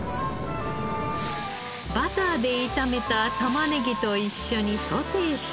バターで炒めた玉ねぎと一緒にソテーします。